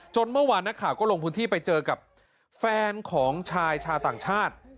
เมื่อวานนักข่าวก็ลงพื้นที่ไปเจอกับแฟนของชายชาวต่างชาติ